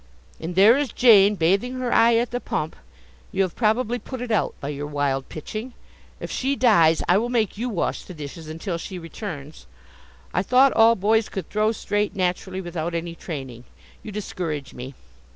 And there is Jane, bathing her eye at the pump. You have probably put it out by your wild pitching. If she dies, I will make you wash the dishes until she returns. I thought all boys could throw straight naturally without any training. You discourage me.